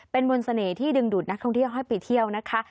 เป็นมนต์เสน่ห์ที่ดึงดูดนักท่องเที่ยวให้ไปเที่ยวนะคะ